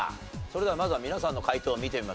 それではまずは皆さんの解答を見てみましょう。